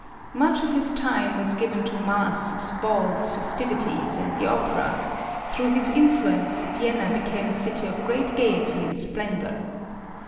Much of his time was given to masks, balls, festivities, and the opera; through his influence, Vienna became a city of great gayety and splendor.